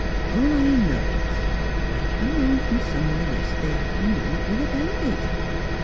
All I know is, they come home f om somewhere yest'd'y aft' noon, with a baby.